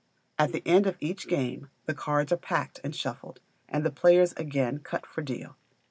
At the end of each game the cards are packed and shuffled, and the players again cut for deal.